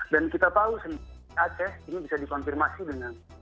dan kita tahu sendiri aceh ini bisa dikonfirmasi dengan